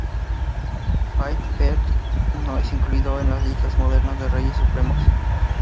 Flaithbertach no es incluido en listas modernas de Reyes Supremos.